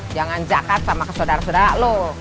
jangan jakat sama kesaudara saudara lo